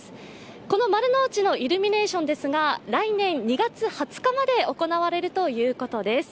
この丸の内のイルミネーションですが、来年２月２０日まで行われるということです。